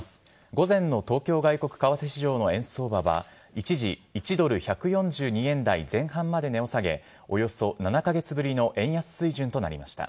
午前の東京外国為替市場の円相場は、一時１ドル１４２円台前半まで値を下げ、およそ７か月ぶりの円安水準となりました。